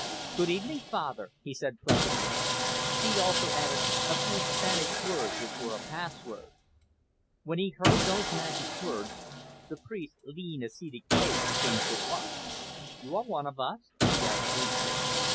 "Good evening, Father," he said pleasantly. He also added a few Spanish words which were a password. When he heard those magic words, the priest's lean, ascetic face changed at once. "You are one of us?" he asked briefly.